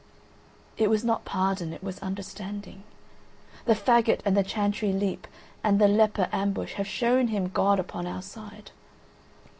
… It was not pardon it was understanding; the faggot and the chantry leap and the leper ambush have shown him God upon our side.